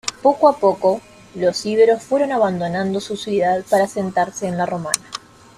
Poco a poco, los íberos fueron abandonando su ciudad para asentarse en la romana.